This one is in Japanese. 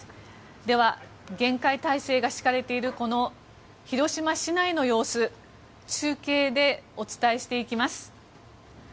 では、厳戒態勢が敷かれている広島市内の様子中継でお伝えしていきます。